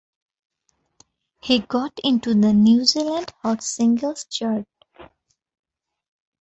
He got into the New Zealand Hot Singles Chart.